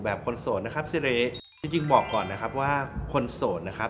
คนโสดนะครับซีเรย์จริงบอกก่อนนะครับว่าคนโสดนะครับ